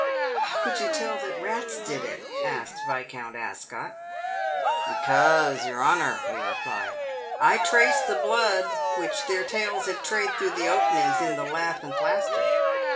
" How could you tell that rats did it ?" asked Viscount Ascot. " Because, your honour," he replied, " I traced the blood which their tails had trailed through the openings in the lath and plaster.